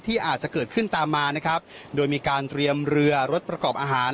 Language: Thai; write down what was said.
อาจจะเกิดขึ้นตามมานะครับโดยมีการเตรียมเรือรถประกอบอาหาร